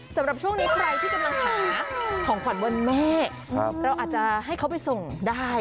สำหรับช่วงนี้ใครที่กำลังหาของขวัญวันแม่เราอาจจะให้เขาไปส่งได้